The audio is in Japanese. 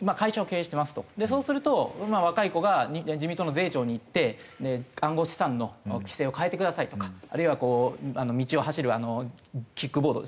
そうすると若い子が自民党の税調に行って暗号資産の規制を変えてくださいとかあるいはこう道を走るキックボードですね